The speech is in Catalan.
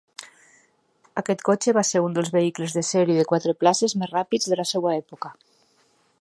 Aquest cotxe va ser un dels vehicles de sèrie de quatre places més ràpids de la seva època.